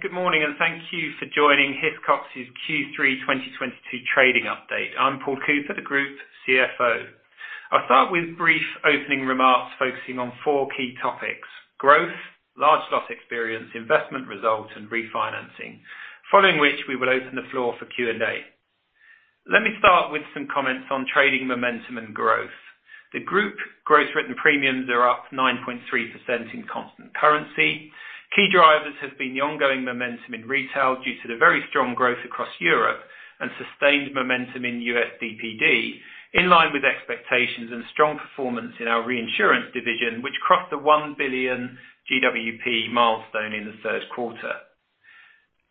Good morning, and thank you for joining Hiscox's Q3 2022 trading update. I'm Paul Cooper, the Group CFO. I'll start with brief opening remarks focusing on four key topics, growth, large loss experience, investment results, and refinancing. Following which we will open the floor for Q&A. Let me start with some comments on trading momentum and growth. The group gross written premiums are up 9.3% in constant currency. Key drivers have been the ongoing momentum in retail due to the very strong growth across Europe and sustained momentum in US DPD, in line with expectations and strong performance in our reinsurance division, which crossed the $1 billion GWP milestone in the third quarter.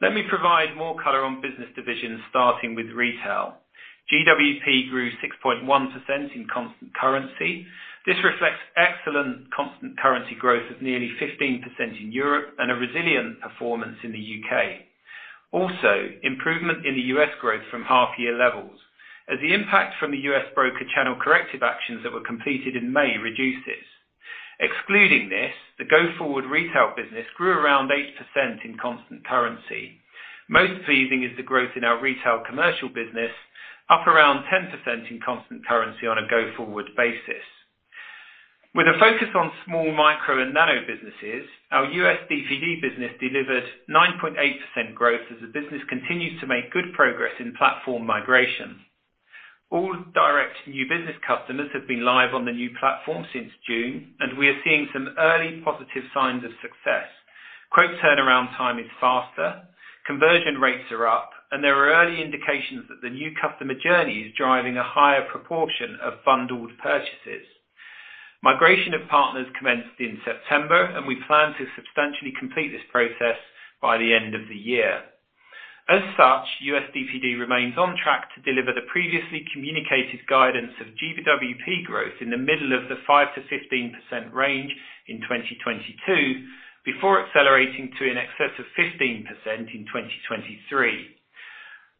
Let me provide more color on business divisions starting with retail. GWP grew 6.1% in constant currency. This reflects excellent constant currency growth of nearly 15% in Europe and a resilient performance in the U.K. Also, improvement in the U.S. growth from half year levels as the impact from the U.S. broker channel corrective actions that were completed in May reduces. Excluding this, the go-forward retail business grew around 8% in constant currency. Most pleasing is the growth in our retail commercial business, up around 10% in constant currency on a go-forward basis. With a focus on small micro and nano businesses, our U.S. DPD business delivered 9.8% growth as the business continues to make good progress in platform migration. All direct new business customers have been live on the new platform since June, and we are seeing some early positive signs of success. Quick turnaround time is faster, conversion rates are up, and there are early indications that the new customer journey is driving a higher proportion of bundled purchases. Migration of partners commenced in September, and we plan to substantially complete this process by the end of the year. As such, US DPD remains on track to deliver the previously communicated guidance of GBWP growth in the middle of the 5%-15% range in 2022, before accelerating to in excess of 15% in 2023.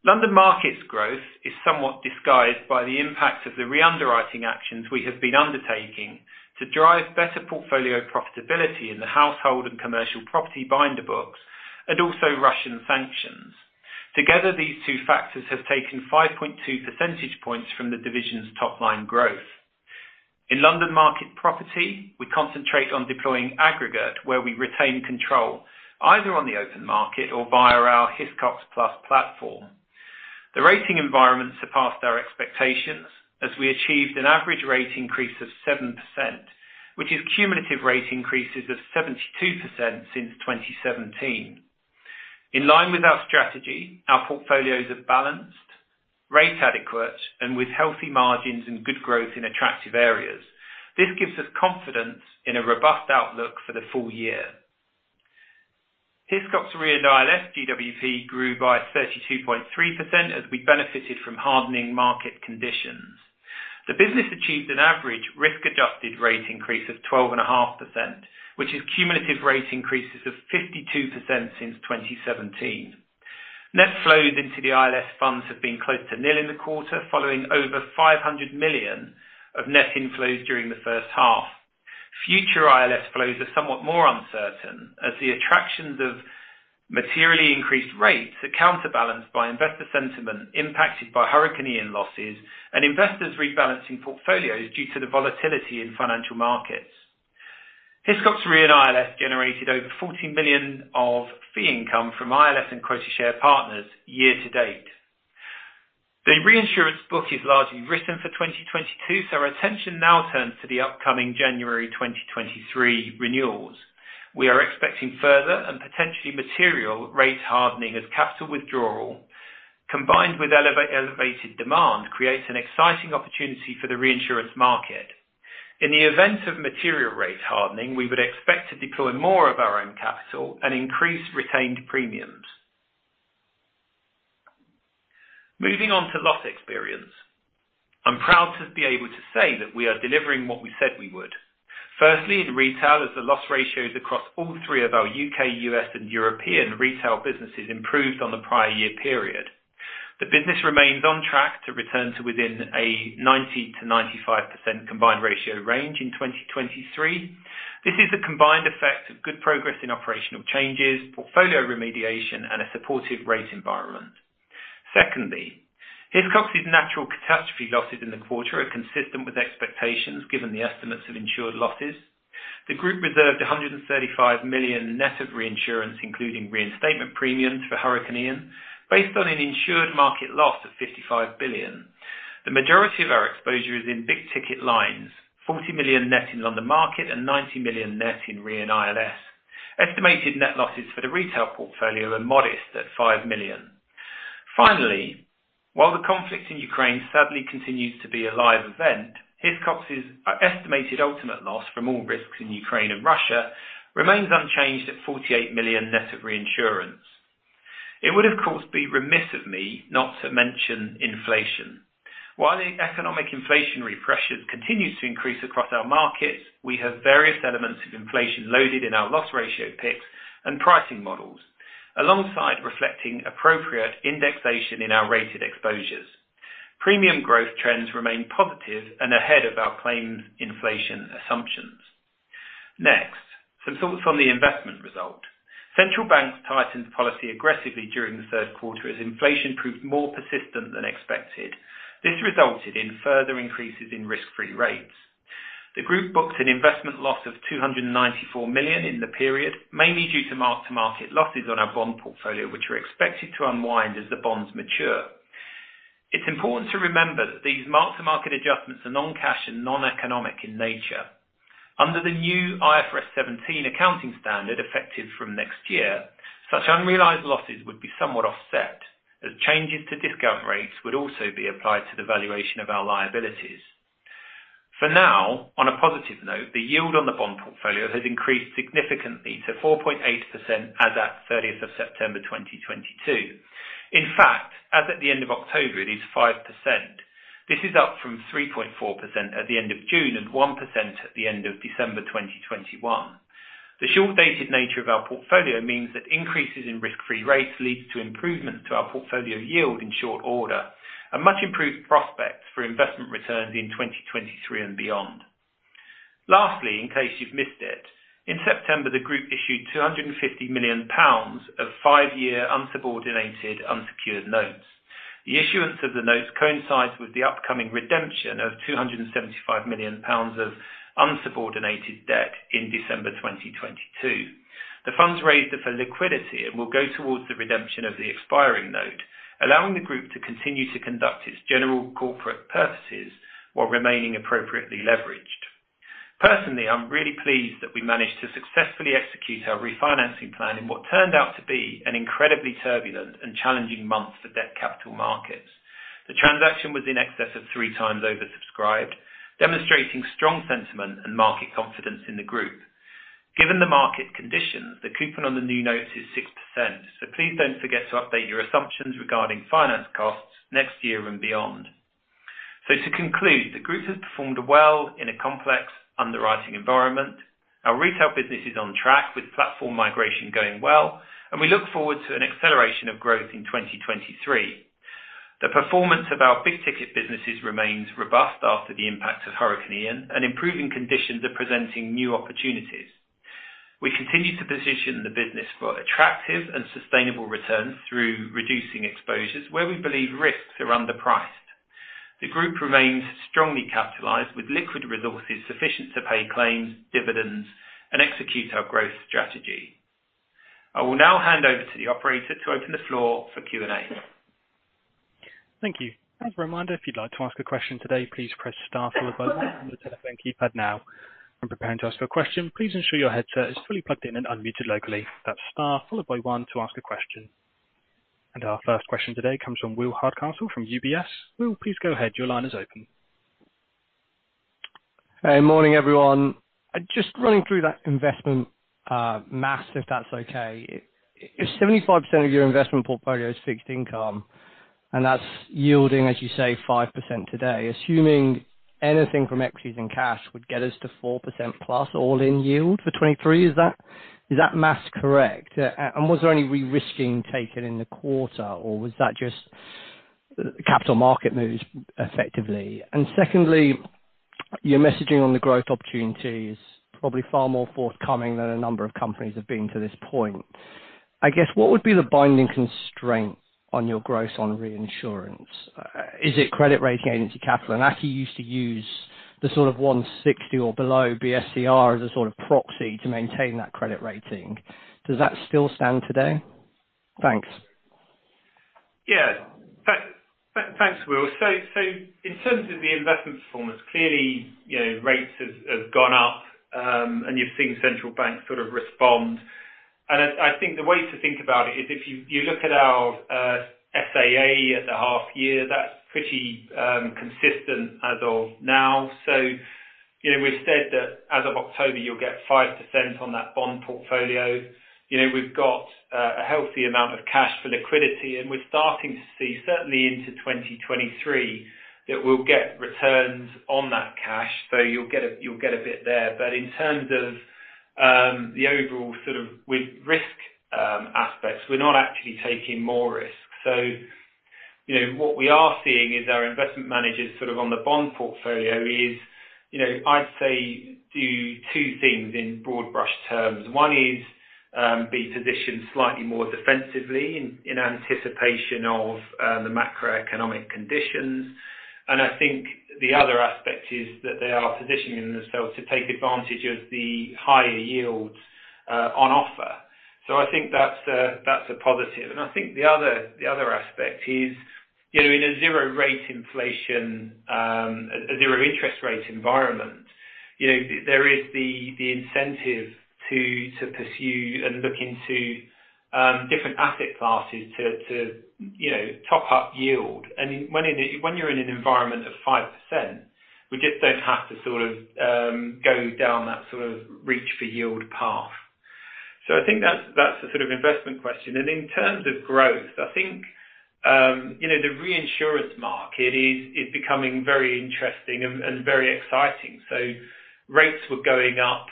London Market growth is somewhat disguised by the impact of the re-underwriting actions we have been undertaking to drive better portfolio profitability in the household and commercial property binder books and also Russian sanctions. Together, these two factors have taken 5.2 percentage points from the division's top-line growth. In London Market property, we concentrate on deploying aggregate where we retain control, either on the open market or via our Hiscox Plus platform. The rating environment surpassed our expectations as we achieved an average rate increase of 7%, which is cumulative rate increases of 72% since 2017. In line with our strategy, our portfolios are balanced, rate adequate, and with healthy margins and good growth in attractive areas. This gives us confidence in a robust outlook for the full year. Hiscox Re & ILS GWP grew by 32.3% as we benefited from hardening market conditions. The business achieved an average risk-adjusted rate increase of 12.5%, which is cumulative rate increases of 52% since 2017. Net flows into the ILS funds have been close to nil in the quarter, following over $500 million of net inflows during the first half. Future ILS flows are somewhat more uncertain as the attractions of materially increased rates are counterbalanced by investor sentiment impacted by Hurricane Ian losses and investors rebalancing portfolios due to the volatility in financial markets. Hiscox Re & ILS generated over $40 million of fee income from ILS and quota share partners year-to-date. The reinsurance book is largely written for 2022, so our attention now turns to the upcoming January 2023 renewals. We are expecting further and potentially material rate hardening as capital withdrawal combined with elevated demand creates an exciting opportunity for the reinsurance market. In the event of material rate hardening, we would expect to deploy more of our own capital and increase retained premiums. Moving on to loss experience. I'm proud to be able to say that we are delivering what we said we would. Firstly, in retail, as the loss ratios across all three of our U.K., U.S., and European retail businesses improved on the prior year period. The business remains on track to return to within a 90%-95% combined ratio range in 2023. This is the combined effect of good progress in operational changes, portfolio remediation, and a supportive rate environment. Secondly, Hiscox's natural catastrophe losses in the quarter are consistent with expectations, given the estimates of insured losses. The group reserved $135 million net of reinsurance, including reinstatement premiums for Hurricane Ian, based on an insured market loss of $55 billion. The majority of our exposure is in big ticket lines, $40 million net in London Market and $90 million net in Re & ILS. Estimated net losses for the retail portfolio are modest at $5 million. Finally, while the conflict in Ukraine sadly continues to be a live event, Hiscox's estimated ultimate loss from all risks in Ukraine and Russia remains unchanged at $48 million net of reinsurance. It would, of course, be remiss of me not to mention inflation. While the economic inflationary pressures continues to increase across our markets, we have various elements of inflation loaded in our loss ratio picks and pricing models, alongside reflecting appropriate indexation in our rated exposures. Premium growth trends remain positive and ahead of our claims inflation assumptions. Next, some thoughts on the investment result. Central banks tightened policy aggressively during the third quarter as inflation proved more persistent than expected. This resulted in further increases in risk-free rates. The group booked an investment loss of $294 million in the period, mainly due to mark-to-market losses on our bond portfolio, which are expected to unwind as the bonds mature. It's important to remember that these mark-to-market adjustments are non-cash and non-economic in nature. Under the new IFRS 17 accounting standard effective from next year, such unrealized losses would be somewhat offset as changes to discount rates would also be applied to the valuation of our liabilities. For now, on a positive note, the yield on the bond portfolio has increased significantly to 4.8% as at 30th of September 2022. In fact, as at the end of October, it is 5%. This is up from 3.4% at the end of June and 1% at the end of December 2021. The short-dated nature of our portfolio means that increases in risk-free rates leads to improvements to our portfolio yield in short order, a much improved prospects for investment returns in 2023 and beyond. Lastly, in case you've missed it, in September, the group issued 250 million pounds of five-year unsubordinated unsecured notes. The issuance of the notes coincides with the upcoming redemption of 275 million pounds of unsubordinated debt in December 2022. The funds raised are for liquidity and will go towards the redemption of the expiring note, allowing the group to continue to conduct its general corporate purposes while remaining appropriately leveraged. Personally, I'm really pleased that we managed to successfully execute our refinancing plan in what turned out to be an incredibly turbulent and challenging month for debt capital markets. The transaction was in excess of 3x oversubscribed, demonstrating strong sentiment and market confidence in the group. Given the market conditions, the coupon on the new notes is 6%. Please don't forget to update your assumptions regarding finance costs next year and beyond. To conclude, the group has performed well in a complex underwriting environment. Our retail business is on track with platform migration going well, and we look forward to an acceleration of growth in 2023. The performance of our big-ticket businesses remains robust after the impact of Hurricane Ian, and improving conditions are presenting new opportunities. We continue to position the business for attractive and sustainable returns through reducing exposures where we believe risks are underpriced. The group remains strongly capitalized with liquid resources sufficient to pay claims, dividends, and execute our growth strategy. I will now hand over to the operator to open the floor for Q&A. Thank you. As a reminder, if you'd like to ask a question today, please press star followed by one on the telephone keypad now. When preparing to ask a question, please ensure your headset is fully plugged in and unmuted locally. That's star followed by one to ask a question. Our first question today comes from Will Hardcastle from UBS. Will, please go ahead. Your line is open. Hey. Morning, everyone. Just running through that investment math, if that's okay. If 75% of your investment portfolio is fixed income, and that's yielding, as you say, 5% today, assuming anything from equities and cash would get us to 4%+ all-in yield for 2023, is that math correct? And was there any re-risking taken in the quarter, or was that just capital market moves effectively? Secondly, your messaging on the growth opportunities, probably far more forthcoming than a number of companies have been to this point. I guess, what would be the binding constraint on your growth on reinsurance? Is it credit rating agency capital? And actually, you used to use the sort of 160 or below BSCR as a sort of proxy to maintain that credit rating. Does that still stand today? Thanks. Yeah. Thanks, Will. In terms of the investment performance, clearly, you know, rates have gone up, and you're seeing central banks sort of respond. I think the way to think about it is if you look at our SAA at the half year, that's pretty consistent as of now. You know, we've said that as of October, you'll get 5% on that bond portfolio. You know, we've got a healthy amount of cash for liquidity, and we're starting to see certainly into 2023 that we'll get returns on that cash. You'll get a bit there. In terms of the overall sort of with risk aspects, we're not actually taking more risks. You know, what we are seeing is our investment managers sort of on the bond portfolio is, you know, I'd say do two things in broad brush terms. One is be positioned slightly more defensively in anticipation of the macroeconomic conditions. I think the other aspect is that they are positioning themselves to take advantage of the higher yields on offer. I think that's a positive. I think the other aspect is, you know, in a zero rate inflation, a zero interest rate environment, you know, there is the incentive to pursue and look into different asset classes to, you know, top up yield. When you're in an environment of 5%, we just don't have to sort of go down that sort of reach for yield path. I think that's the sort of investment question. In terms of growth, I think you know the reinsurance market is becoming very interesting and very exciting. Rates were going up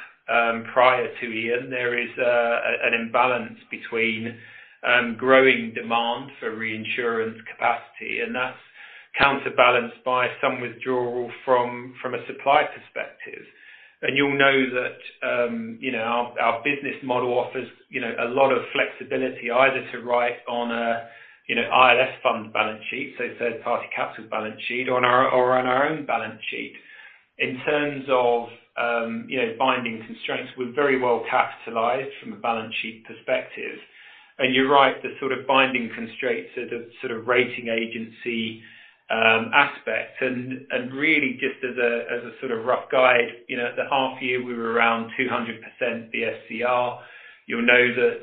prior to Ian. There is an imbalance between growing demand for reinsurance capacity, and that's counterbalanced by some withdrawal from a supply perspective. You'll know that you know our business model offers you know a lot of flexibility either to write on a, you know, ILS fund balance sheet, so third-party capital balance sheet on our own or on our own balance sheet. In terms of you know binding constraints, we're very well capitalized from a balance sheet perspective. You're right, the sort of binding constraints are the sort of rating agency aspect. Really just as a sort of rough guide, you know, at the half year, we were around 200% BSCR. You'll know that,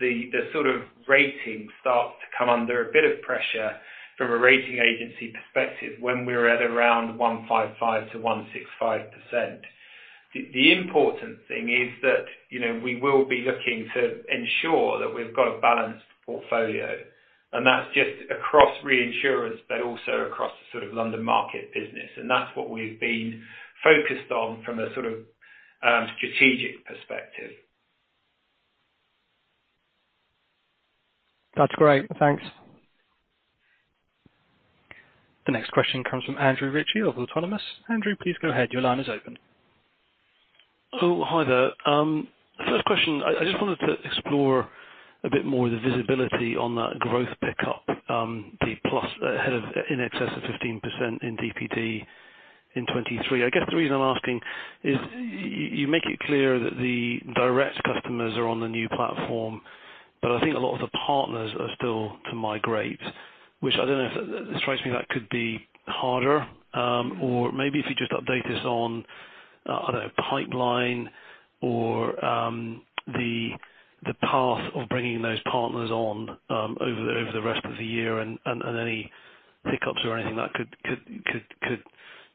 the sort of rating starts to come under a bit of pressure from a rating agency perspective when we're at around 155%-165%. The important thing is that, you know, we will be looking to ensure that we've got a balanced portfolio, and that's just across reinsurance, but also across the sort of London Market business. That's what we've been focused on from a sort of strategic perspective. That's great. Thanks. The next question comes from Andrew Ritchie of Autonomous. Andrew, please go ahead. Your line is open. Oh, hi there. First question, I just wanted to explore a bit more the visibility on that growth pickup, the plus ahead of in excess of 15% in DPD in 2023. I guess the reason I'm asking is you make it clear that the direct customers are on the new platform, but I think a lot of the partners are still to migrate. It strikes me that could be harder, or maybe if you just update us on, I don't know, pipeline or the path of bringing those partners on over the rest of the year and any hiccups or anything that could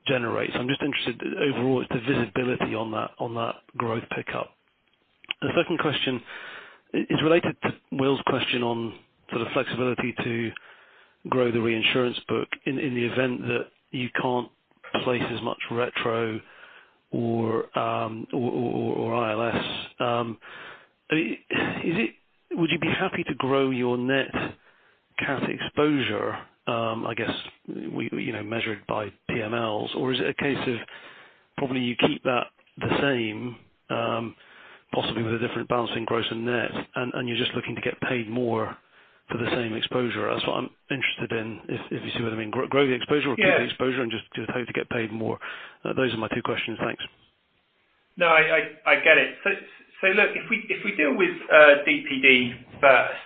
generate. I'm just interested overall is the visibility on that growth pickup. The second question is related to Will's question on sort of flexibility to grow the reinsurance book in the event that you can't place as much retro or ILS. Would you be happy to grow your net cat exposure, I guess, you know, measured by P&Ls? Or is it a case of probably you keep that the same, possibly with a different balancing gross and net, and you're just looking to get paid more for the same exposure? That's what I'm interested in, if you see what I mean. Grow the exposure or keep the exposure and just hope to get paid more. Those are my two questions. Thanks. No, I get it. Look, if we deal with DPD first,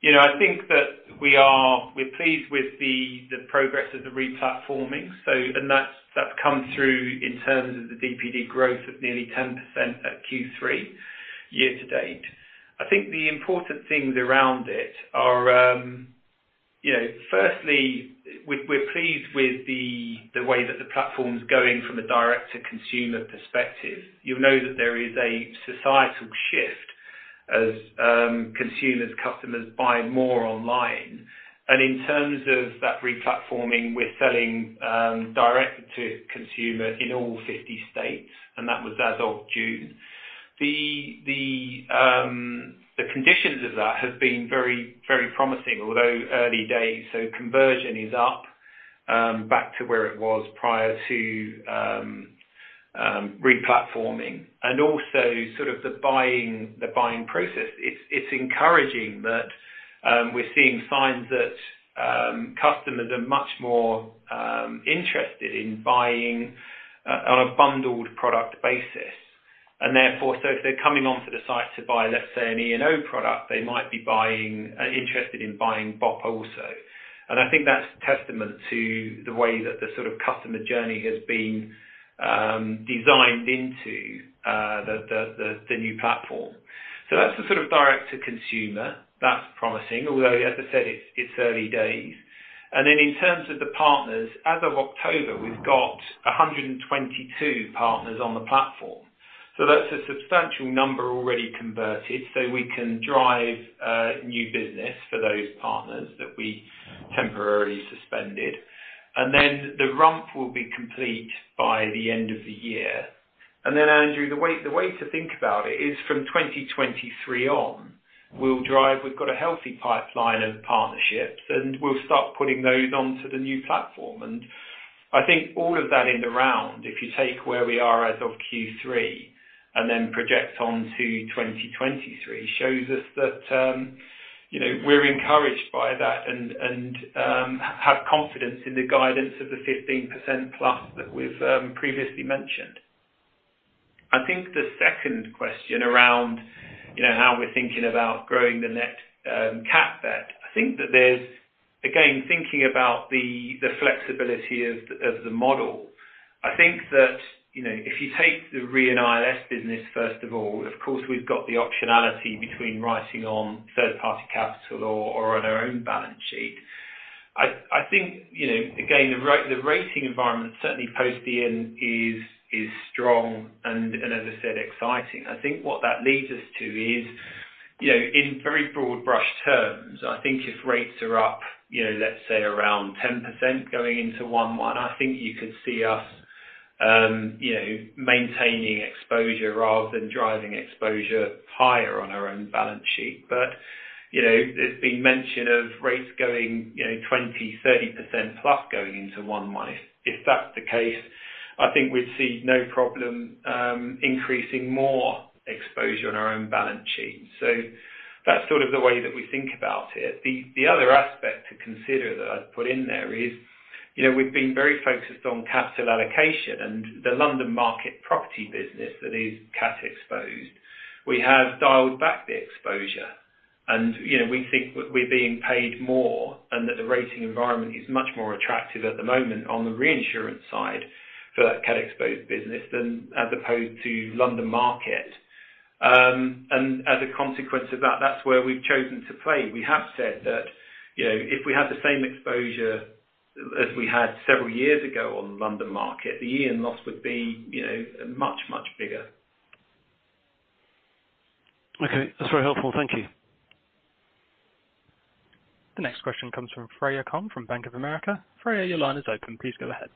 you know, I think that we're pleased with the progress of the re-platforming. That's come through in terms of the DPD growth of nearly 10% at Q3 year-to-date. I think the important things around it are, you know, firstly, we're pleased with the way that the platform's going from a direct-to-consumer perspective. You'll know that there is a societal shift as consumers, customers buy more online. In terms of that re-platforming, we're selling direct-to-consumer in all 50 states, and that was as of June. The conditions of that have been very promising, although early days, so conversion is up back to where it was prior to re-platforming. The buying process. It's encouraging that we're seeing signs that customers are much more interested in buying on a bundled product basis. If they're coming onto the site to buy, let's say an E&O product, they might be interested in buying BOP also. I think that's testament to the way that the sort of customer journey has been designed into the new platform. That's the sort of direct to consumer. That's promising, although, as I said, it's early days. In terms of the partners, as of October, we've got 122 partners on the platform. That's a substantial number already converted, so we can drive new business for those partners that we temporarily suspended. The rump will be complete by the end of the year. Andrew, the way to think about it is from 2023 on. We've got a healthy pipeline of partnerships, and we'll start putting those onto the new platform. I think all of that in the round, if you take where we are as of Q3 and then project onto 2023, shows us that, you know, we're encouraged by that and have confidence in the guidance of the 15%+ that we've previously mentioned. I think the second question around, you know, how we're thinking about growing the net cat bet, I think that there's. Again, thinking about the flexibility of the model, I think that, you know, if you take the Re & ILS business, first of all, of course, we've got the optionality between writing on third-party capital or on our own balance sheet. I think, you know, again, the rating environment, certainly post the end is strong and, as I said, exciting. I think what that leads us to is, you know, in very broad brush terms, I think if rates are up, you know, let's say around 10% going into 1-1, I think you could see us, you know, maintaining exposure rather than driving exposure higher on our own balance sheet. You know, there's been mention of rates going, you know, 20%, 30%+ going into one month. If that's the case, I think we'd see no problem increasing more exposure on our own balance sheet. That's sort of the way that we think about it. The other aspect to consider that I'd put in there is, you know, we've been very focused on capital allocation and the London Market Property business that is cat exposed. We have dialed back the exposure. You know, we think we're being paid more and that the rating environment is much more attractive at the moment on the reinsurance side for that cat exposed business than as opposed to London Market. As a consequence of that's where we've chosen to play. We have said that, you know, if we had the same exposure as we had several years ago on the London Market, the year-end loss would be, you know, much, much bigger. Okay, that's very helpful. Thank you. The next question comes from Freya Kong from Bank of America. Freya, your line is open. Please go ahead.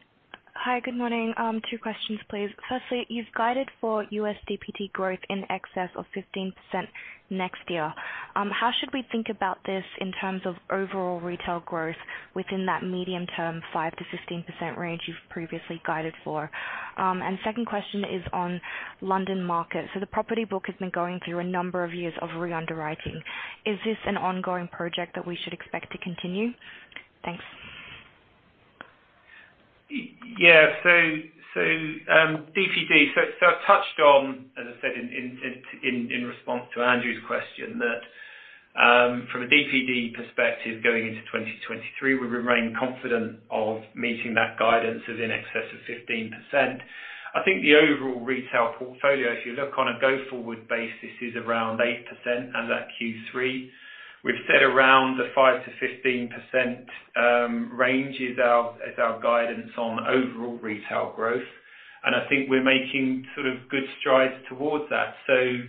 Hi, good morning. Two questions, please. Firstly, you've guided for US DPD growth in excess of 15% next year. How should we think about this in terms of overall retail growth within that medium-term 5%-15% range you've previously guided for? Second question is on London Market. The property book has been going through a number of years of re-underwriting. Is this an ongoing project that we should expect to continue? Thanks. Yes. DPD, I touched on, as I said in response to Andrew's question, that, from a DPD perspective going into 2023, we remain confident of meeting that guidance as in excess of 15%. I think the overall retail portfolio, if you look on a go-forward basis, is around 8% as at Q3. We've said around the 5%-15% range is our guidance on overall retail growth. I think we're making sort of good strides towards that.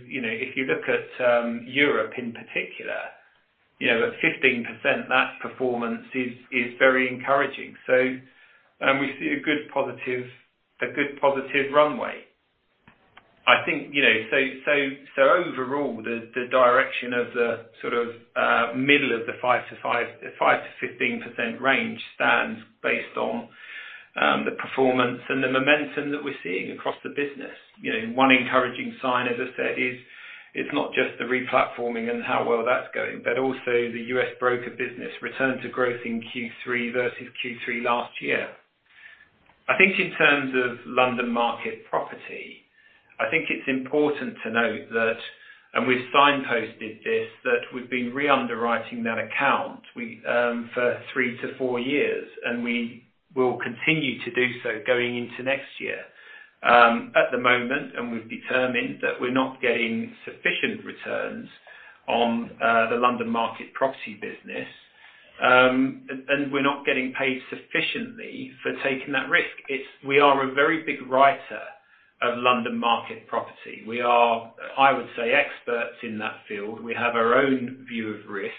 You know, if you look at Europe in particular, you know, that 15%, that performance is very encouraging. We see a good positive runway. I think overall, the direction of the sort of middle of the 5%-15% range stands based on the performance and the momentum that we're seeing across the business. One encouraging sign, as I said, is it's not just the replatforming and how well that's going, but also the U.S. broker business return to growth in Q3 versus Q3 last year. I think in terms of London Market Property, it's important to note that, and we've signposted this, that we've been re-underwriting that account for three-four years, and we will continue to do so going into next year. At the moment, we've determined that we're not getting sufficient returns on the London Market Property business. We're not getting paid sufficiently for taking that risk. It's. We are a very big writer of London Market property. We are, I would say, experts in that field. We have our own view of risk.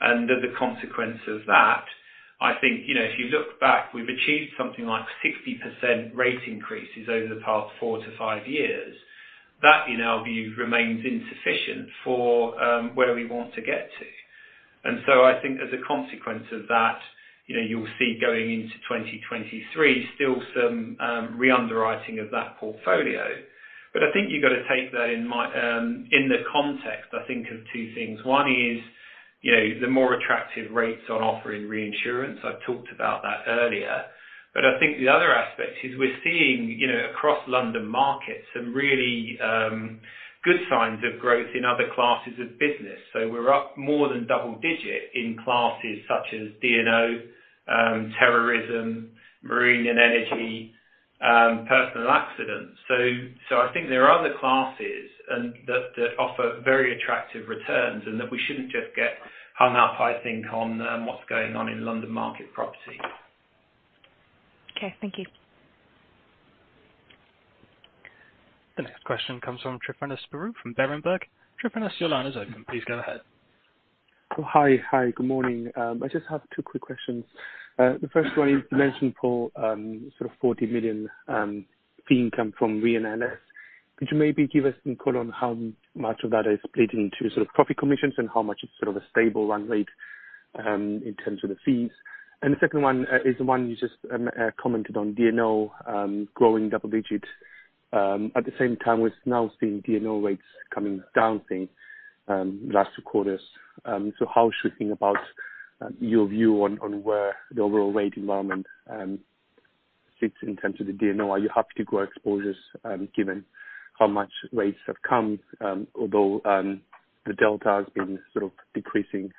As a consequence of that, I think, you know, if you look back, we've achieved something like 60% rate increases over the past four-five years. That, in our view, remains insufficient for where we want to get to. I think as a consequence of that, you know, you'll see going into 2023, still some re-underwriting of that portfolio. I think you've got to take that in the context, I think, of two things. One is, you know, the more attractive rates on offer in reinsurance. I've talked about that earlier. I think the other aspect is we're seeing, you know, across London Market some really good signs of growth in other classes of business. We're up more than double-digit in classes such as D&O, terrorism, marine and energy, personal accidents. I think there are other classes and that offer very attractive returns and that we shouldn't just get hung up, I think, on what's going on in London Market Property. Okay, thank you. The next question comes from Tryfonas Spyrou from Berenberg. Tryfonas, your line is open. Please go ahead. Hi. Good morning. I just have two quick questions. The first one is you mentioned, Paul, sort of $40 million fee income from Re & ILS. Could you maybe give us some color on how much of that is split into sort of profit commissions and how much is sort of a stable run rate, in terms of the fees? The second one is the one you just commented on D&O growing double-digit. At the same time, we're now seeing D&O rates coming down since last two quarters. How should we think about your view on where the overall rate environment sits in terms of the D&O? Are you happy to grow exposures, given how much rates have come, although the delta has been sort of decreasing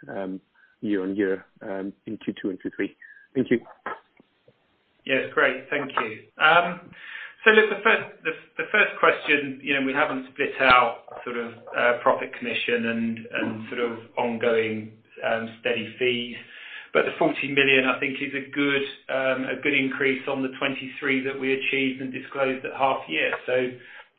year-on-year in Q2 and Q3? Thank you. Yes. Great. Thank you. Look, the first question, you know, we haven't split out sort of profit commission and sort of ongoing steady fees. The $40 million, I think, is a good increase on the $23 million that we achieved and disclosed at half-year.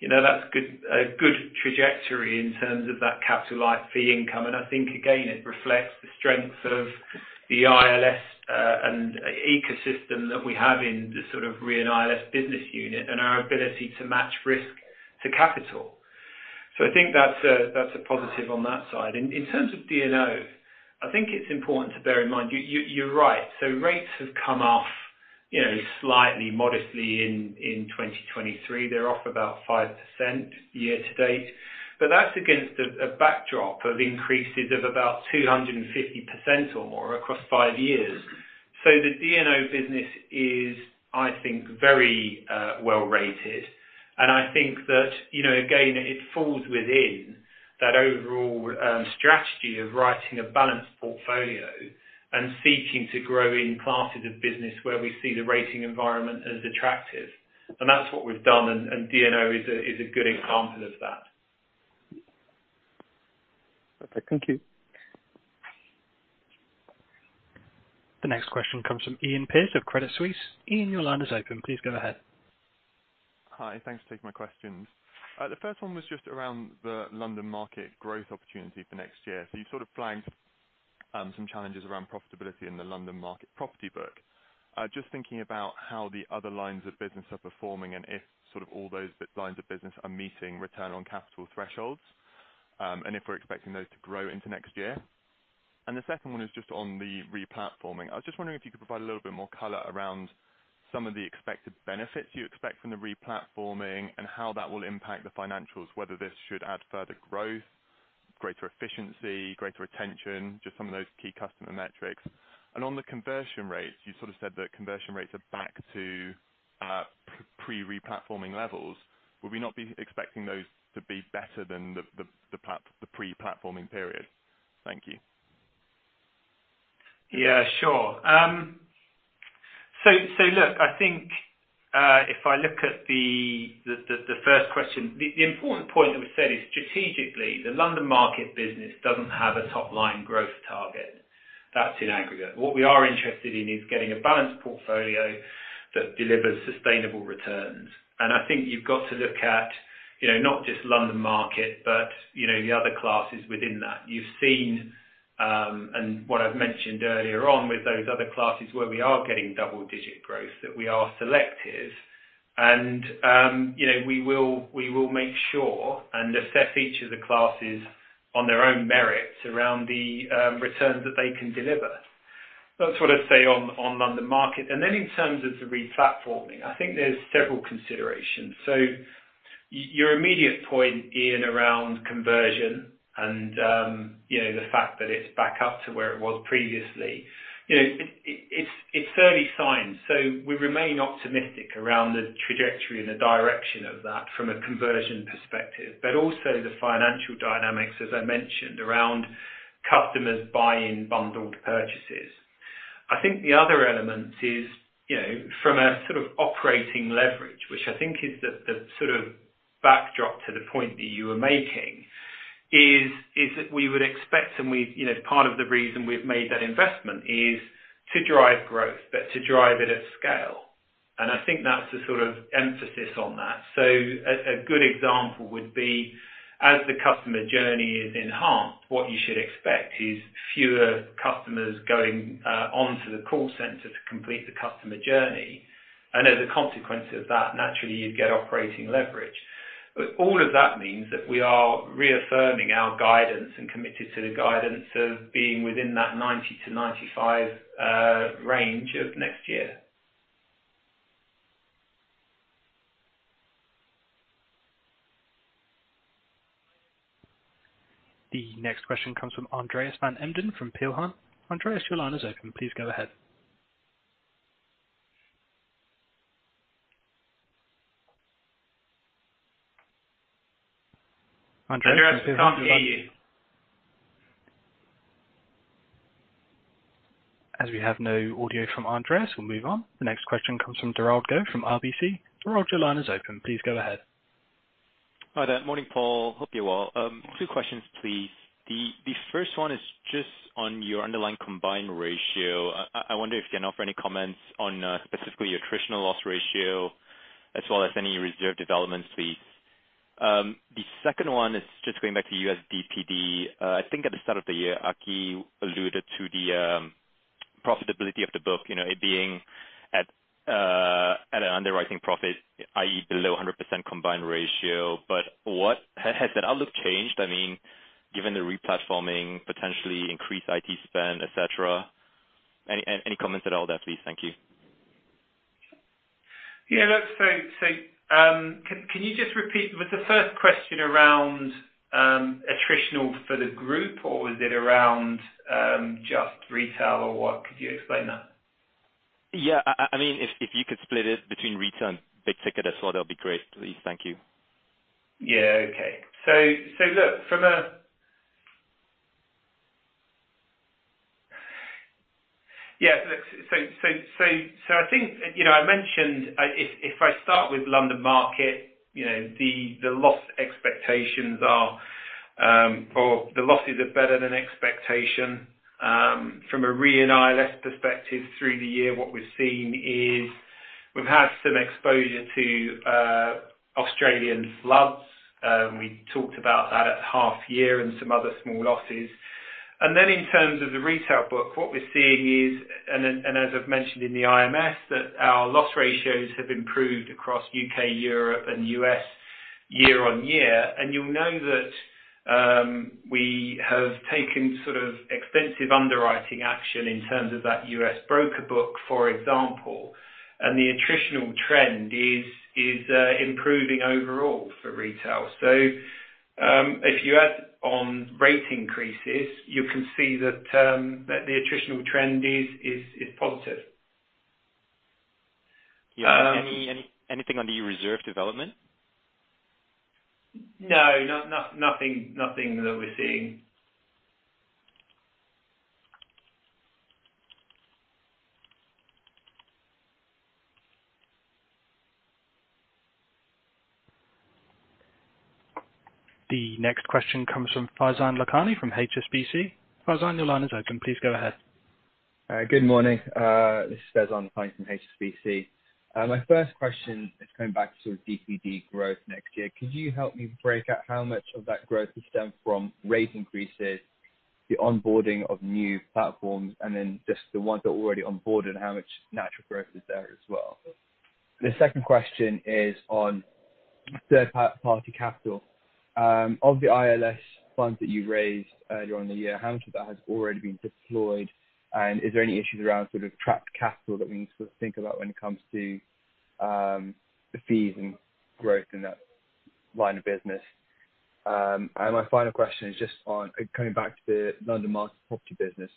You know, that's good, a good trajectory in terms of that capitalized fee income. I think, again, it reflects the strength of the ILS and ecosystem that we have in the sort of Re & ILS business unit and our ability to match risk to capital. I think that's a positive on that side. In terms of D&O, I think it's important to bear in mind, you're right. Rates have come off, you know, slightly modestly in 2023. They're off about 5% year-to-date. That's against a backdrop of increases of about 250% or more across five years. The D&O business is, I think, very well rated. I think that, you know, again, it falls within that overall strategy of writing a balanced portfolio and seeking to grow in classes of business where we see the rating environment as attractive. That's what we've done, and D&O is a good example of that. Okay, thank you. The next question comes from Iain Pearce of Credit Suisse. Iain, your line is open. Please go ahead. Hi. Thanks for taking my questions. The first one was just around the London Market growth opportunity for next year. You sort of flagged some challenges around profitability in the London Market property book. Just thinking about how the other lines of business are performing and if sort of all those business lines of business are meeting return on capital thresholds, and if we're expecting those to grow into next year. The second one is just on the replatforming. I was just wondering if you could provide a little bit more color around some of the expected benefits you expect from the replatforming and how that will impact the financials, whether this should add further growth, greater efficiency, greater retention, just some of those key customer metrics. On the conversion rates, you sort of said that conversion rates are back to pre-replatforming levels. Would we not be expecting those to be better than the pre-platforming period? Thank you. Yeah, sure. Look, I think if I look at the first question, the important point that we've said is strategically, the London Market business doesn't have a top line growth target. That's in aggregate. What we are interested in is getting a balanced portfolio that delivers sustainable returns. I think you've got to look at, you know, not just London Market, but, you know, the other classes within that. You've seen and what I've mentioned earlier on with those other classes where we are getting double-digit growth, that we are selective and, you know, we will make sure and assess each of the classes on their own merits around the returns that they can deliver. That's what I'd say on London Market. Then in terms of the replatforming, I think there's several considerations. Your immediate point, Ian, around conversion and, you know, the fact that it's back up to where it was previously. You know, it's early signs, so we remain optimistic around the trajectory and the direction of that from a conversion perspective. Also the financial dynamics, as I mentioned, around customers buying bundled purchases. I think the other element is, you know, from a sort of operating leverage, which I think is the sort of backdrop to the point that you were making is that we would expect, and we've, you know, part of the reason we've made that investment is to drive growth, but to drive it at scale. I think that's the sort of emphasis on that. A good example would be as the customer journey is enhanced, what you should expect is fewer customers going onto the call center to complete the customer journey. As a consequence of that, naturally you'd get operating leverage. All of that means that we are reaffirming our guidance and committed to the guidance of being within that 90%-95% range of next year. The next question comes from Andreas van Embden from Peel Hunt. Andreas, your line is open. Please go ahead. Andreas- Andreas, we can't hear you. As we have no audio from Andreas, we'll move on. The next question comes from Derald Goh from RBC. Derald, your line is open. Please go ahead. Hi there. Morning, Paul. Hope you're well. Two questions, please. The first one is just on your underlying combined ratio. I wonder if you can offer any comments on, specifically your attritional loss ratio as well as any reserve developments, please. The second one is just going back to US DPD. I think at the start of the year, Aki alluded to the profitability of the book, you know, it being at an underwriting profit, i.e., below 100% combined ratio. But has that outlook changed? I mean, given the replatforming, potentially increased IT spend, et cetera. Any comments at all there, please? Thank you. Yeah. Look, so, can you just repeat? Was the first question around attritional for the group, or was it around just retail or what? Could you explain that? Yeah. I mean, if you could split it between retail and big ticket as well, that'd be great, please. Thank you. Look, I think, you know, I mentioned if I start with London Market, you know, the loss expectations are or the losses are better than expectation. From a Re & ILS perspective through the year, what we've seen is we've had some exposure to Australian floods, and we talked about that at half year and some other small losses. In terms of the retail book, what we're seeing is, as I've mentioned in the IMS, that our loss ratios have improved across U.K., Europe, and U.S. year-on-year. You'll know that we have taken sort of extensive underwriting action in terms of that U.S. broker book, for example. The attritional trend is improving overall for retail. If you add on rate increases, you can see that the attritional trend is positive. Anything on the reserve development? No. Nothing that we're seeing. The next question comes from Faizan Lakhani from HSBC. Faizan, your line is open. Please go ahead. Good morning. This is Faizan Lakhani from HSBC. My first question is coming back to DPD growth next year. Could you help me break out how much of that growth has stemmed from rate increases, the onboarding of new platforms, and then just the ones that are already onboard, and how much natural growth is there as well? The second question is on third-party capital. Of the ILS funds that you raised earlier in the year, how much of that has already been deployed? And is there any issues around sort of trapped capital that we need to sort of think about when it comes to the fees and growth in that line of business? And my final question is just on coming back to the London Market property business.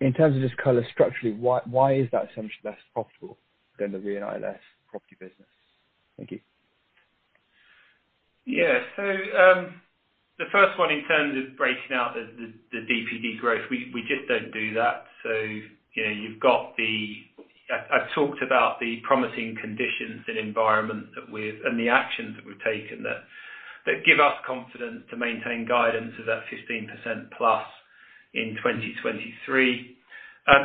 In terms of just kind of structurally, why is that so much less profitable than the Re & ILS property business? Thank you. Yeah. The first one in terms of breaking out the DPD growth, we just don't do that. I talked about the promising conditions and environment and the actions that we've taken that give us confidence to maintain guidance of that 15%+ in 2023.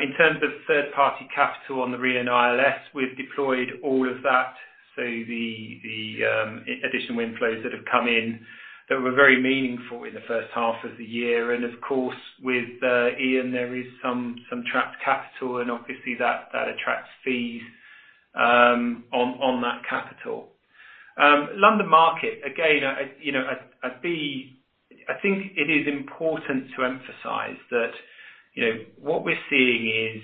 In terms of third-party capital on the Re & ILS, we've deployed all of that. The additional inflows that have come in that were very meaningful in the first half of the year. Of course, with Ian, there is some trapped capital and obviously that attracts fees on that capital. London Market, again, you know, I think it is important to emphasize that, you know, what we're seeing is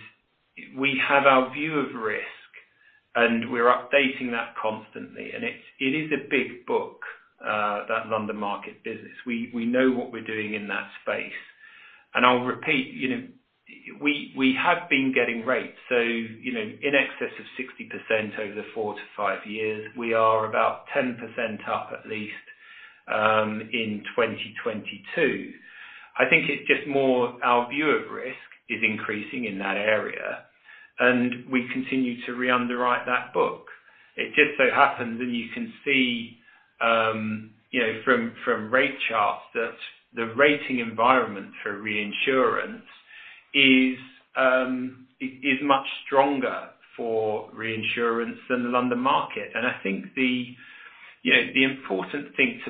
we have our view of risk and we're updating that constantly. It is a big book, that London Market business. We know what we're doing in that space. I'll repeat, you know, we have been getting rates, so, you know, in excess of 60% over the four-five years. We are about 10% up at least, in 2022. I think it's just more our view of risk is increasing in that area, and we continue to re-underwrite that book. It just so happens, and you can see, you know, from rate charts, that the rating environment for reinsurance is much stronger for reinsurance than the London Market. I think the important thing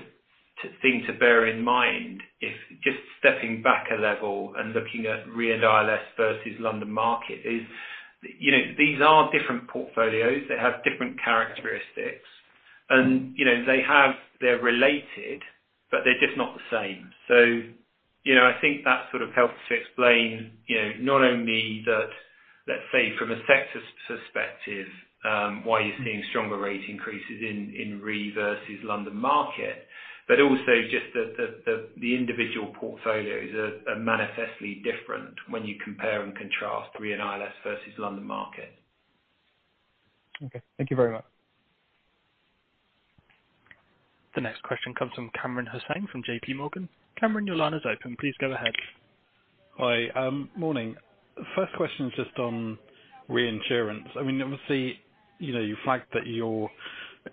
to bear in mind is just stepping back a level and looking at Re & ILS versus London Market. You know, these are different portfolios. They have different characteristics. You know, they're related, but they're just not the same. You know, I think that sort of helps to explain not only that, let's say from a sector perspective, why you're seeing stronger rate increases in Re versus London Market, but also just that the individual portfolios are manifestly different when you compare and contrast Re & ILS versus London Market. Okay. Thank you very much. The next question comes from Kamran Hossain from JPMorgan. Kamran, your line is open. Please go ahead. Hi. Morning. First question is just on reinsurance. I mean, obviously, you know, you flagged that you're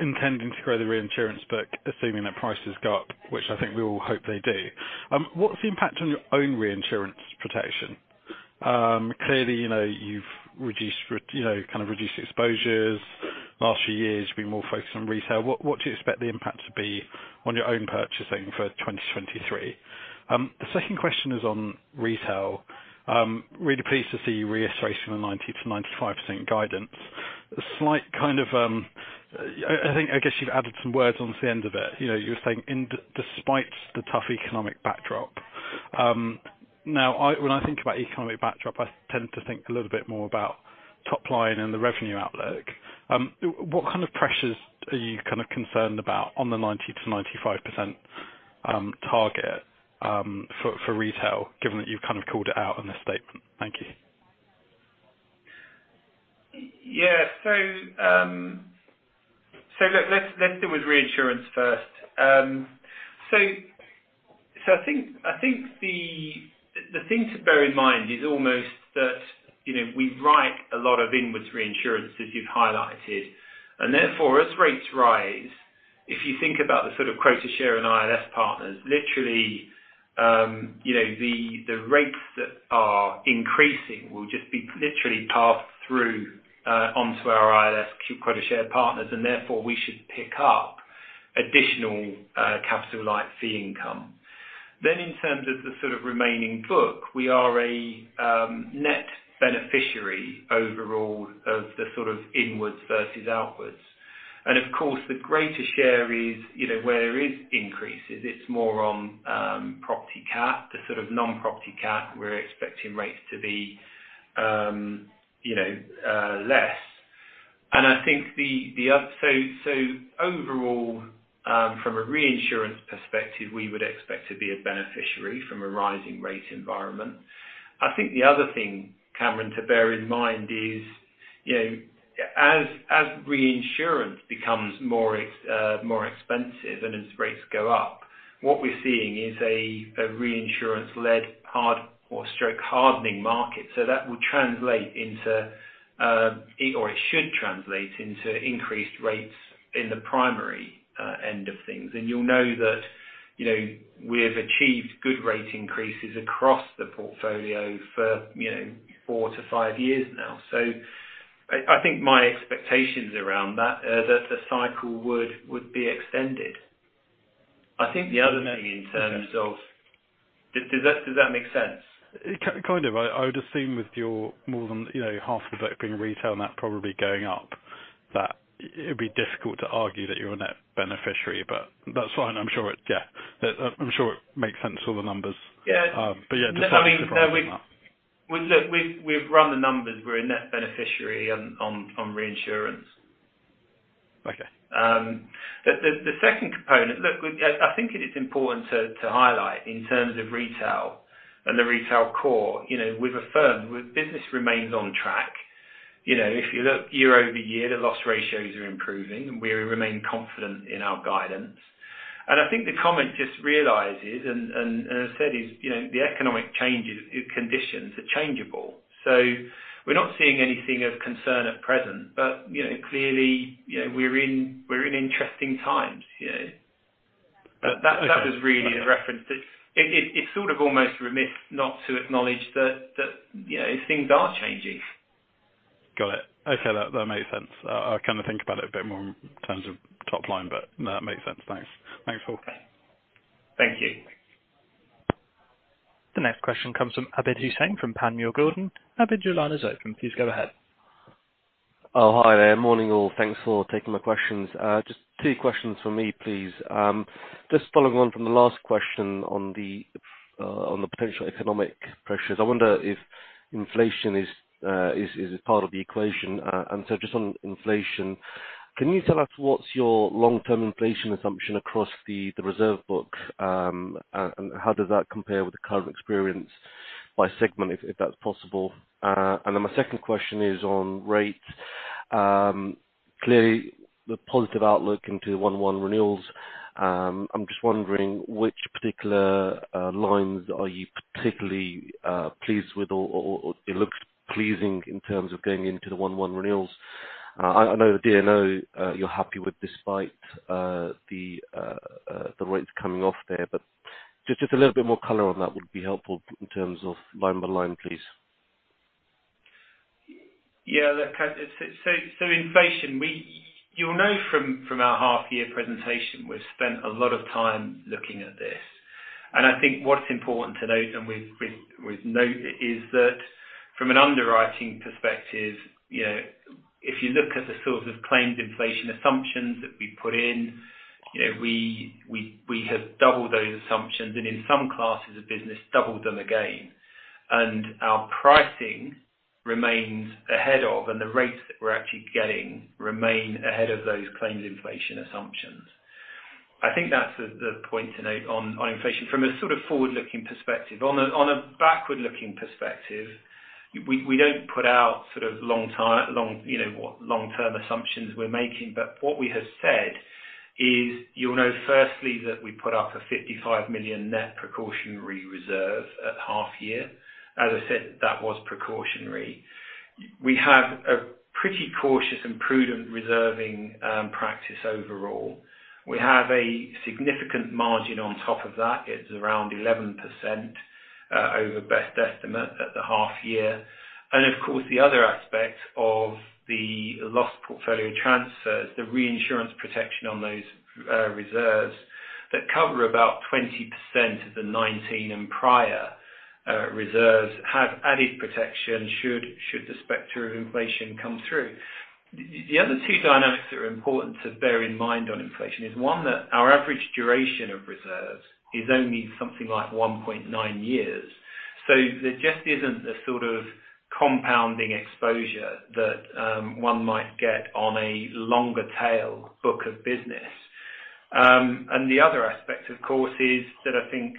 intending to grow the reinsurance book, assuming that prices go up, which I think we all hope they do. What's the impact on your own reinsurance protection? Clearly, you know, you've reduced, you know, kind of reduced exposures. Last few years, you've been more focused on retail. What do you expect the impact to be on your own purchasing for 2023? The second question is on retail. I'm really pleased to see your reiteration of 90%-95% guidance. Slight kind of, I think, I guess you've added some words onto the end of it. You know, you were saying, despite the tough economic backdrop. Now, I... When I think about economic backdrop, I tend to think a little bit more about top line and the revenue outlook. What kind of pressures are you kind of concerned about on the 90%-95% target for retail, given that you've kind of called it out in the statement? Thank you. Yeah. So look, let's deal with reinsurance first. I think the thing to bear in mind is almost that, you know, we write a lot of inwards reinsurance, as you've highlighted. Therefore, as rates rise, if you think about the sort of quota share and ILS partners, literally, the rates that are increasing will just be literally passed through onto our ILS quota share partners, and therefore we should pick up additional, capital light fee income. In terms of the sort of remaining book, we are a net beneficiary overall of the sort of inwards versus outwards. Of course the greater share is, you know, where there is increases, it's more on property cat. The sort of non-property cat, we're expecting rates to be, you know, less. Overall, from a reinsurance perspective, we would expect to be a beneficiary from a rising rate environment. I think the other thing, Kamran, to bear in mind is, you know, as reinsurance becomes more expensive and as rates go up, what we're seeing is a reinsurance-led hardening market. That would translate into, or it should translate into increased rates in the primary end of things. You'll know that, you know, we have achieved good rate increases across the portfolio for, you know, four-five years now. I think my expectations around that are that the cycle would be extended. Does that make sense? Kind of. I would have seen with your more than, you know, half of that being retail and that probably going up, that it would be difficult to argue that you're a net beneficiary, but that's fine. I'm sure it makes sense for the numbers. We've run the numbers. We're a net beneficiary on reinsurance. The second component. Look, I think it is important to highlight in terms of retail and the retail core. You know, we've affirmed with business remains on track. You know, if you look year-over-year, the loss ratios are improving. We remain confident in our guidance. I think the comment just realizes and I said is, you know, the economic changes, conditions are changeable. We're not seeing anything of concern at present. You know, clearly, you know, we're in interesting times, you know. That was really a reference that it's sort of almost remiss not to acknowledge that, you know, things are changing. Got it. Okay. That makes sense. I'll kind of think about it a bit more in terms of top line, but no, it makes sense. Thanks. Thanks, Paul. Thank you. The next question comes from Abid Hussain from Panmure Gordon. Abid, your line is open. Please go ahead. Oh, hi there. Morning, all. Thanks for taking my questions. Just two questions from me, please. Just following on from the last question on the potential economic pressures, I wonder if inflation is part of the equation. Just on inflation, can you tell us what's your long term inflation assumption across the reserve book? And how does that compare with the current experience by segment, if that's possible? My second question is on rates. Clearly the positive outlook into 1-1 renewals, I'm just wondering which particular lines are you particularly pleased with or it looks pleasing in terms of going into the 1-1 renewals? I know the D&O you're happy with despite the rates coming off there, but just a little bit more color on that would be helpful in terms of line by line, please. Look, so inflation. You'll know from our half-year presentation, we've spent a lot of time looking at this. I think what's important to note, and we've noted, is that from an underwriting perspective, you know, if you look at the sort of claims inflation assumptions that we put in, you know, we have doubled those assumptions and in some classes of business, doubled them again. Our pricing remains ahead of, and the rates that we're actually getting remain ahead of those claims inflation assumptions. I think that's the point to note on inflation from a sort of forward-looking perspective. On a backward-looking perspective, we don't put out sort of long-term assumptions we're making. What we have said is, you'll know firstly that we put up a $55 million net precautionary reserve at half year. As I said, that was precautionary. We have a pretty cautious and prudent reserving practice overall. We have a significant margin on top of that. It's around 11% over best estimate at the half year. Of course, the other aspect of the loss portfolio transfers, the reinsurance protection on those reserves that cover about 20% of the 2019 and prior reserves have added protection should the specter of inflation come through. The other two dynamics that are important to bear in mind on inflation is, one, that our average duration of reserves is only something like 1.9 years. There just isn't a sort of compounding exposure that one might get on a longer tail book of business. The other aspect, of course, is that I think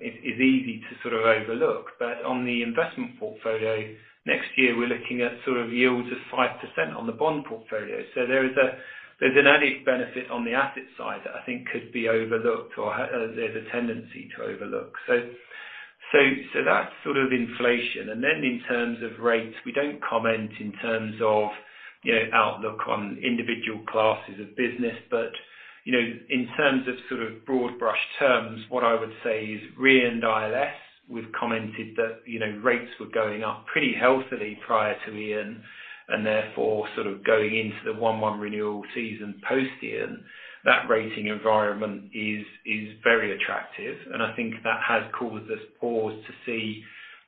is easy to sort of overlook, but on the investment portfolio next year we're looking at sort of yields of 5% on the bond portfolio. There is an added benefit on the asset side that I think could be overlooked or there's a tendency to overlook. That's sort of inflation. Then in terms of rates, we don't comment in terms of you know outlook on individual classes of business. You know, in terms of sort of broad brush terms, what I would say is Re & ILS, we've commented that, you know, rates were going up pretty healthily prior to Ian. Therefore, sort of going into the 1-1 renewal season post Ian, that rating environment is very attractive. I think that has caused us pause to see,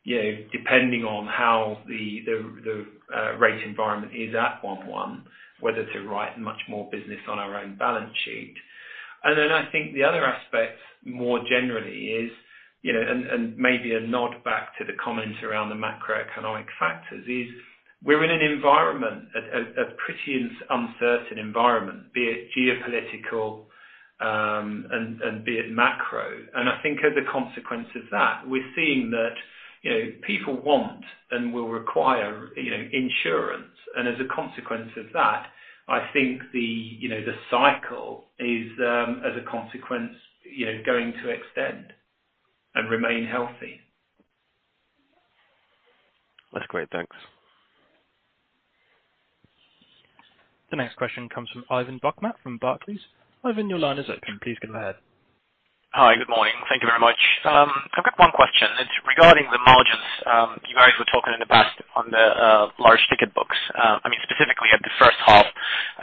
you know, depending on how the rate environment is at 1-1, whether to write much more business on our own balance sheet. Then I think the other aspect more generally is, you know, and maybe a nod back to the comment around the macroeconomic factors is we're in an environment, a pretty uncertain environment, be it geopolitical, and be it macro. I think as a consequence of that, we're seeing that, you know, people want and will require, you know, insurance. As a consequence of that, I think the, you know, the cycle is, as a consequence, you know, going to extend and remain healthy. That's great. Thanks. The next question comes from Ivan Bokhmat from Barclays. Ivan, your line is open. Please go ahead. Hi. Good morning. Thank you very much. I've got one question. It's regarding the margins. You guys were talking in the past on the large-ticket books. I mean, specifically at the first half,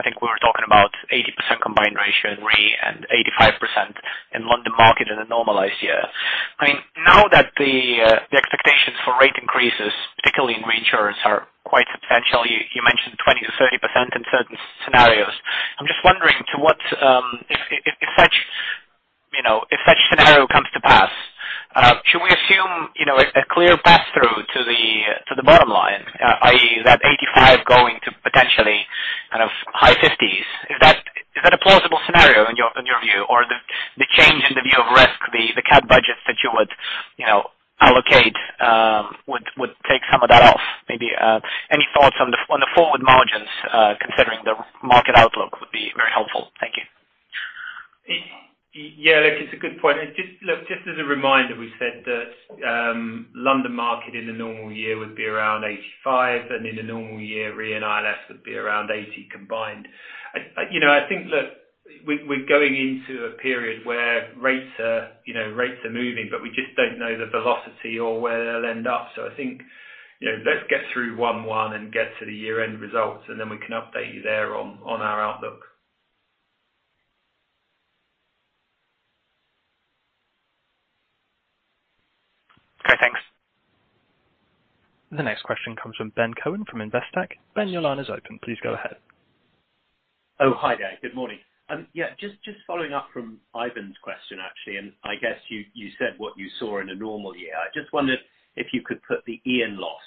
I think we were talking about 80% combined ratio in Re and 85% in London Market in a normalized year. I mean, now that the expectations for rate increases, particularly in reinsurance, are quite substantial, you mentioned 20%-30% in certain scenarios. I'm just wondering to what, if such, you know, if such scenario comes to pass, should we assume, you know, a clear pass-through to the bottom line, i.e., that 85% going to potentially kind of high 50s? Is that a plausible scenario in your view? The change in the view of risk, the cat budgets that you would, you know, allocate, would take some of that off, maybe. Any thoughts on the forward margins, considering the market outlook would be very helpful. Thank you. Yeah, look, it's a good point. Just as a reminder, we said that, London Market in a normal year would be around 85%, and in a normal year, Re & ILS would be around 80% combined. I you know, I think, look, we're going into a period where rates are, you know, rates are moving, but we just don't know the velocity or where they'll end up. I think, you know, let's get through Q1 and get to the year-end results, and then we can update you there on our outlook. Okay, thanks. The next question comes from Ben Cohen from Investec. Ben, your line is open. Please go ahead. Oh, hi there. Good morning. Yeah, just following up from Ivan's question, actually, and I guess you said what you saw in a normal year. I just wondered if you could put the Ian loss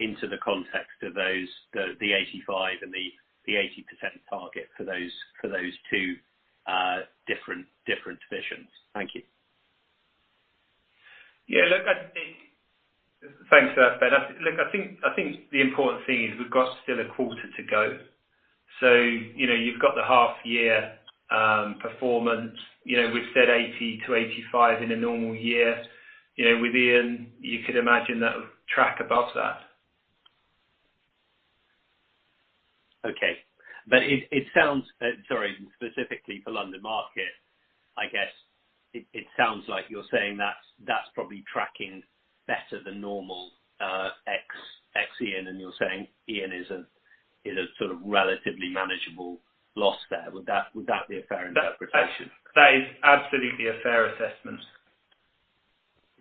into the context of the 85% and the 80% target for those two different divisions. Thank you. Yeah, look, I think— thanks for that, Ben. Look, I think the important thing is we've got still a quarter to go. You know, you've got the half-year performance. You know, we've said 80%-85% in a normal year. You know, with Ian, you could imagine that would track above that. Specifically for London Market, I guess it sounds like you're saying that's probably tracking better than normal, ex Ian, and you're saying Ian is a sort of relatively manageable loss there. Would that be a fair interpretation? That is absolutely a fair assessment.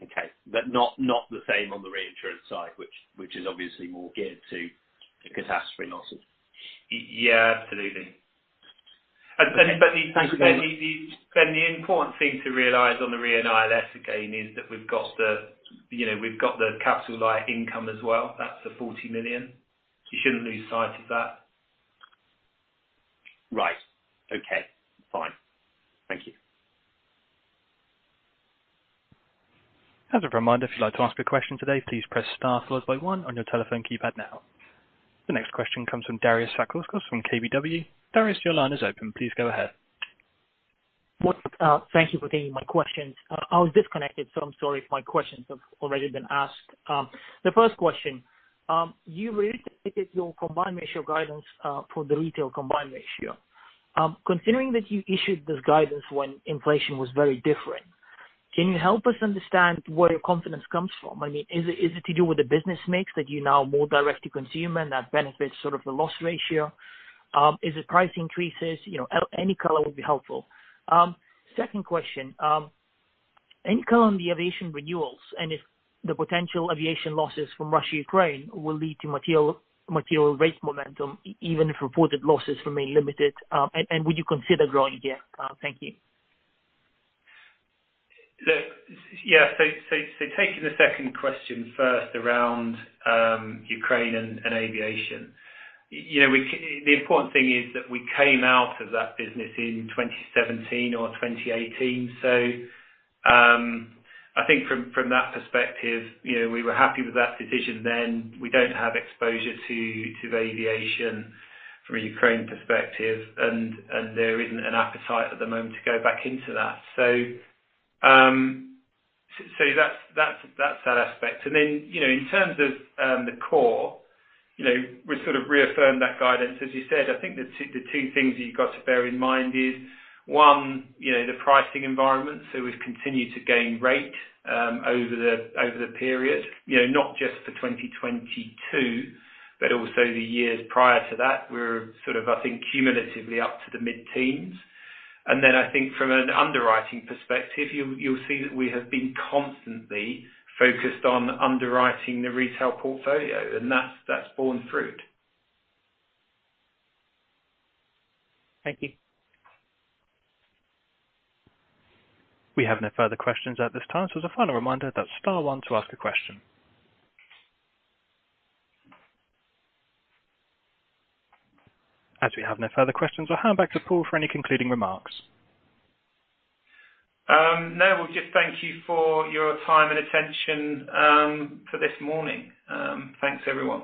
Okay. Not the same on the reinsurance side, which is obviously more geared to the catastrophe losses. Yeah, absolutely. Ben, the important thing to realize on the Re & ILS again is that we've got the, you know, we've got the capital-light income as well. That's the $40 million. You shouldn't lose sight of that. Right. Okay, fine. Thank you. As a reminder, if you'd like to ask a question today, please press star followed by one on your telephone keypad now. The next question comes from Darius Satkauskas from KBW. Darius, your line is open. Please go ahead. Thank you for taking my questions. I was disconnected, so I'm sorry if my questions have already been asked. The first question, you reiterated your combined ratio guidance for the retail combined ratio. Considering that you issued this guidance when inflation was very different, can you help us understand where your confidence comes from? I mean, is it to do with the business mix that you're now more direct-to-consumer and that benefits sort of the loss ratio? Is it price increases? You know, any color would be helpful. Second question. Any color on the aviation renewals, and if the potential aviation losses from Russia-Ukraine will lead to material rate momentum, even if reported losses remain limited, and would you consider growing here? Thank you. Look, yeah, taking the second question first around Ukraine and aviation. You know, the important thing is that we came out of that business in 2017 or 2018. I think from that perspective, you know, we were happy with that decision then. We don't have exposure to aviation from a Ukraine perspective, and there isn't an appetite at the moment to go back into that. That's that aspect. Then, you know, in terms of the core, you know, we sort of reaffirmed that guidance. As you said, I think the two things that you've got to bear in mind is, one, you know, the pricing environment, so we've continued to gain rate over the period. You know, not just for 2022, but also the years prior to that. We're sort of, I think, cumulatively up to the mid-teens. Then I think from an underwriting perspective, you'll see that we have been constantly focused on underwriting the retail portfolio, and that's borne fruit. Thank you. We have no further questions at this time. As a final reminder, that's star one to ask a question. As we have no further questions, I'll hand back to Paul for any concluding remarks. No, we'll just thank you for your time and attention, for this morning. Thanks everyone.